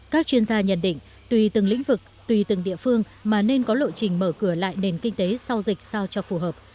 các chuyên gia nhận định tùy từng lĩnh vực tùy từng địa phương mà nên có lộ trình mở cửa lại nền kinh tế sau dịch sao cho phù hợp